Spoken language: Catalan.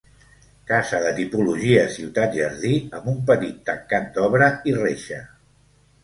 Casa de tipologia ciutat-jardí amb un petit tancat d'obra i reixa.